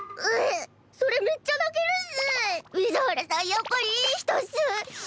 やっぱりいい人っス。